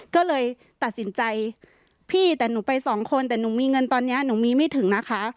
ก็เลยตัดสินใจพี่แต่หนูไปสองคนแต่หนูมีเงินตอนนี้หนูมีไม่ถึงนะคะ